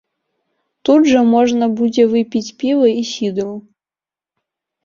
Тут жа можна будзе выпіць піва і сідру.